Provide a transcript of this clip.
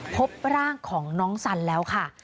พบร่างของน้องสันแล้วค่ะ